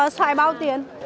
soài bao tiền